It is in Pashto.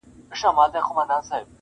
او خپل بار وړي خاموشه,